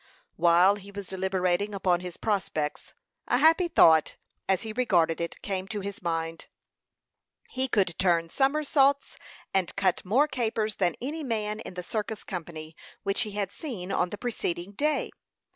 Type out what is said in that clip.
While he was deliberating upon his prospects, a happy thought, as he regarded it, came to his mind. He could turn somersets, and cut more capers than any man in the circus company which he had seen on the preceding day.